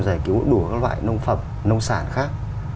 giải cứu đủ các loại nông phẩm nông sản khác